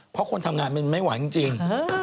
เพราะคนทำงานมันไม่ไหวจริง